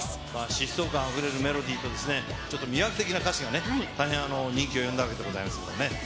疾走感あふれるメロディーと、ちょっと魅惑的な歌詞が大変人気を呼んだわけでございますけれどもね。